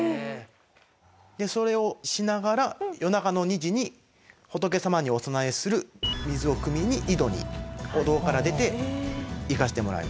それをしながら夜中の２時に仏様にお供えする水を汲みに井戸にお堂から出て行かしてもらいます。